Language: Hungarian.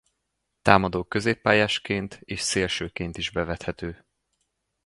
Támadó középpályásként és szélsőként is bevethető.